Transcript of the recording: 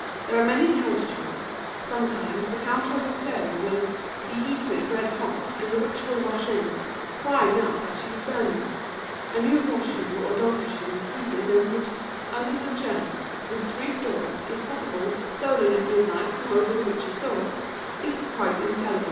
There are many counter charms. Sometimes the coulter of a plough will be heated red hot, and the witch will rush in, crying out that she is burning. A new horse shoe or donkey shoe, heated and put under the churn, with three straws, if possible, stolen at midnight from over the witches' door, is quite infallible.